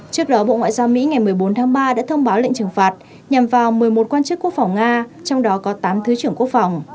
trước đó bộ ngoại giao mỹ ngày một mươi bốn tháng ba đã thông báo lệnh trừng phạt nhằm vào một mươi một quan chức quốc phòng nga trong đó có tám thứ trưởng quốc phòng